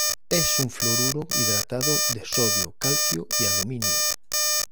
Es un fluoruro hidratado de sodio, calcio y aluminio.